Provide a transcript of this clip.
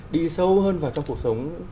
đi sâu hơn vào trong cuộc sống